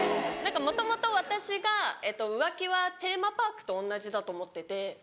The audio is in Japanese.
もともと私が浮気はテーマパークと同じだと思ってて。